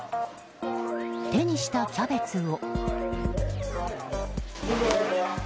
手にしたキャベツを。